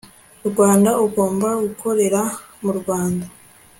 rwanda ugomba gukorera mu rwanda